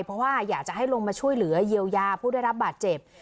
เพราะว่าอยากจะให้ลงมาช่วยเหลือเยียวยาผู้ได้รับบาดเจ็บ